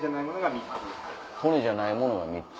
骨じゃないものが３つ。